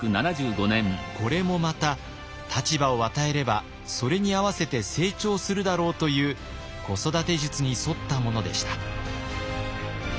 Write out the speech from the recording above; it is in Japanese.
これもまた立場を与えればそれに合わせて成長するだろうという子育て術に沿ったものでした。